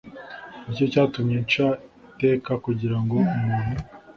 Ni cyo cyatumye nca iteka kugira ngo umuntu